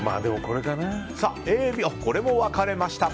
これも分かれました。